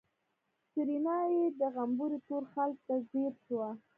سېرېنا يې د غومبري تور خال ته ځير شوه.